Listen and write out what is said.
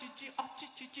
ちちち